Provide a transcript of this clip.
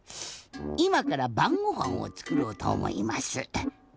いまからばんごはんをつくろうとおもいます。